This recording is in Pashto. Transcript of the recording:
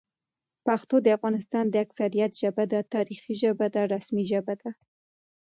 پښتو د افغانستان د اکثریت ژبه ده، تاریخي ژبه ده، رسمي ژبه ده